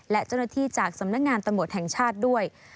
และเจ้าหน้าที่จากสำนักงานตำรวจแห่งชาติด้วย